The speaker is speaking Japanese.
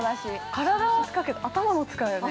体も使うけど、頭も使うよね。